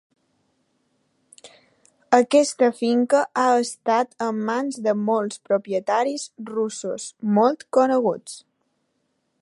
Aquesta finca ha estat en mans de molts propietaris russos molt coneguts.